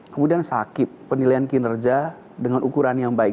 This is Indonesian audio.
kemudian sakit penilaian kinerja dengan ukuran yang baik